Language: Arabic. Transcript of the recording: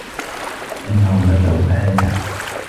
بِأَنَّ رَبَّكَ أَوحى لَها